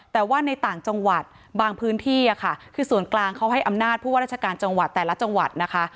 แต่ว่าในต่างจังหวัดบางพื้นที่ค่ะคือส่วนกลางเขาให้อำนาจผู้ว่าราชการจังหวัดแต่ละจังหวัดนะคะ